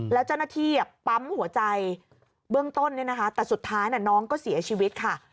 แล้วเจ้าหน้าที่ปั๊มหัวใจเบื้องต้นเนี่ยนะคะแต่สุดท้ายน้องก็เสียชีวิตค่ะ